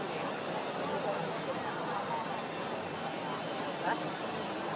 ขออนุญาตถ่าย